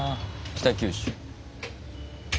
北九州。